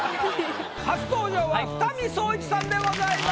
初登場は二見颯一さんでございます。